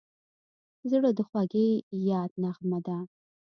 زړه د خوږې یاد نغمه ده.